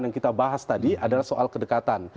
yang kita bahas tadi adalah soal kedekatan